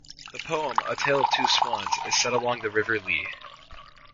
The poem "A Tale of Two Swannes" is set along the River Lee.